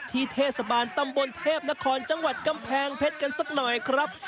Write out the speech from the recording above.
เทศบาลตำบลเทพนครจังหวัดกำแพงเพชรกันสักหน่อยครับ